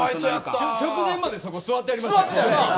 直前までそこ座ってはりました。